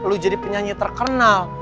lo jadi penyanyi terkenal